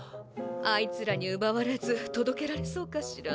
あいつらにうばわれずとどけられそうかしら？